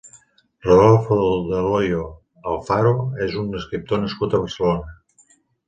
Rodolfo del Hoyo Alfaro és un escriptor nascut a Barcelona.